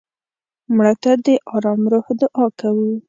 مړه ته د ارام روح دعا کوو